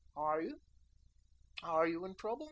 Are you? Are you in trouble?